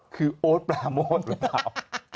คือโอ๊ตปราโมทหรือเปล่า